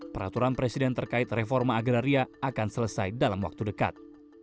peraturan presiden terkait reforma agraria akan selesai dalam waktu dekat